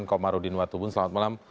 kalau ada yg khusus